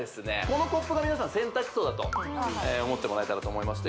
このコップが洗濯槽だと思ってもらえたらと思います